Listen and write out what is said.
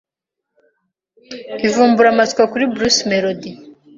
Ivumburamatsiko kuri Bruce Melody